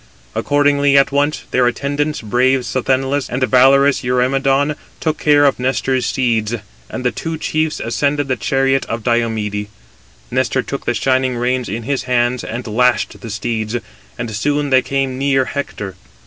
Accordingly, at once their attendants, brave Sthenelus and valorous Eurymedon, took care of Nestor's steeds: and the two chiefs ascended the chariot of Diomede. Nestor took the shining reins in his hands, and lashed the steeds, and soon they came near Hector.